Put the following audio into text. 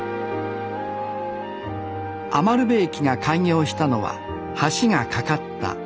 餘部駅が開業したのは橋が架かった４７年後。